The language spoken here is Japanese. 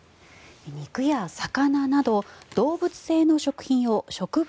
肉や魚など動物性の食品を植物